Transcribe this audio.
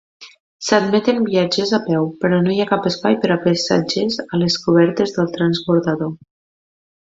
S'admeten viatgers a peu, però no hi ha cap espai per a passatgers a les cobertes del transbordador.